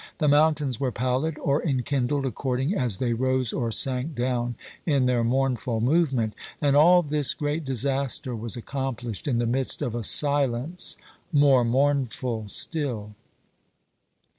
The mountains were pallid or enkindled according as they 364 OBERMANN rose or sank down in their mournful movement, and all this great disaster was accomplished in the midst of a silence more mournful still.